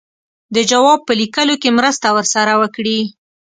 د جواب په لیکلو کې مرسته ورسره وکړي.